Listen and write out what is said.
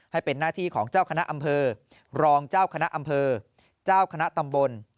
ให้เป็นหน้าที่ของเจ้าคณะอำเภอรองเจ้าคณะอำเภอเจ้าคณะตำบล